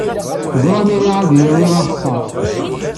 Ẓran aya ad yawey s axeṣṣar.